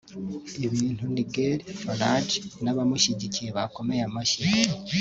ibintu Nigel Farage n’abamushyigikiye bakomeye amashyi